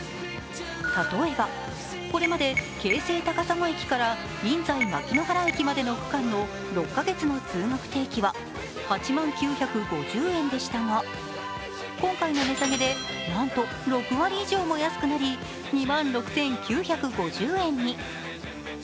例えば、これまで京成高砂駅から印西牧の原駅までの区間の６か月の通学定期は、８万９５０円でしたが、今回の値下げでなんと６割以上も安くなり２万６９５０円に。